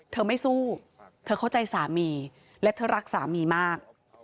ไม่สู้เธอเข้าใจสามีและเธอรักสามีมาก